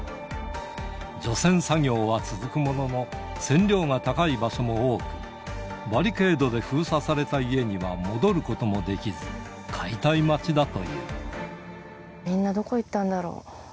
除染作業は続くものの、線量が高い場所も多く、バリケードで封鎖された家には戻ることもできず、みんなどこ行ったんだろう。